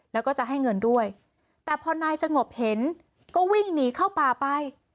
แล้วก็จะให้เงินด้วยแต่พอนายสงบเห็นก็วิ่งหนีเข้าป่าไป